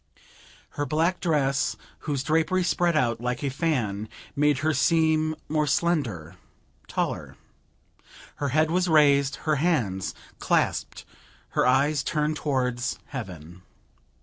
Her black dress, whose drapery spread out like a fan, made her seem more slender, taller. Her head was raised, her hands clasped, her eyes turned towards heaven.